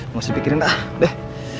masih dipikirin ah deh